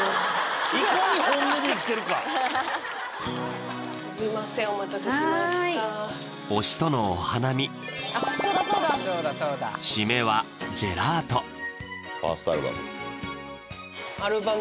いかに本音で生きてるかすみませんお待たせしました推しとのお花見締めはジェラート１ｓｔアルバム！